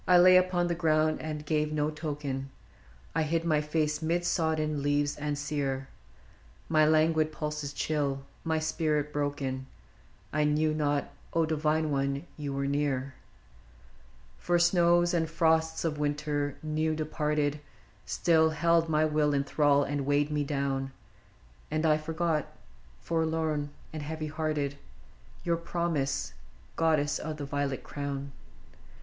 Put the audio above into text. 1 lay upon the ground and gave no token, I hid my face mid sodden leaves and sere, My languid pulses chill, my spirit broken, — I knew not, O divine one ! you were near ; For snows and frosts of winter, new departed, Still held my will in thrall and weighed me down ; 3 B R o o K s ong: to the spring And I forgot — forlorn and heavy hearted — Your promise, goddess of the violet crown